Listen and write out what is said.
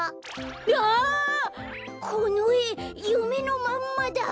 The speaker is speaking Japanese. あこのえゆめのまんまだ！